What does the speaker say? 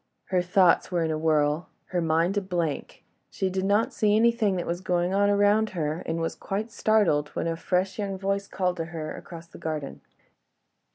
Her thoughts were in a whirl—her mind a blank ... She did not see anything that was going on around her, and was quite startled when a fresh young voice called to her across the garden.